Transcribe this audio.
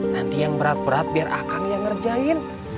nanti yang berat berat biar akang yang ngerjain